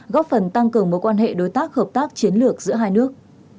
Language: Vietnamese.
góp phần tăng cường mối quan hệ đối tác hợp tác chiến lược giữa hai nước